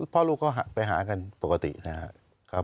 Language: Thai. พ่อลูกก็ไปหากันปกตินะครับ